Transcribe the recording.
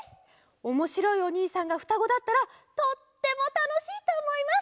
おもしろいおにいさんがふたごだったらとってもたのしいとおもいます！